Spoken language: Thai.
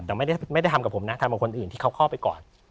แต่ไม่ได้ทำกับผมนะทำกับคนอื่นที่เขาเข้าไปก่อน